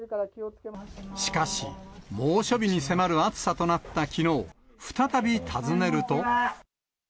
しかし、猛暑日に迫る暑さとなったきのう、再び訪ねると。